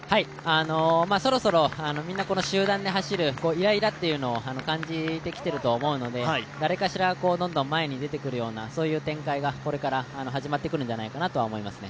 そろそろみんな集団で走るいらいらを感じてきていると思うので誰かしらどんどん前に出てくるようなそういう展開がこれから始まってくるんじゃないかなと思いますね。